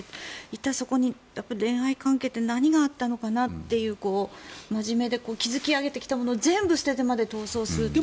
一体、そこに恋愛関係って何があったのかなという真面目で築き上げてきたものを全部捨ててまで逃走するって。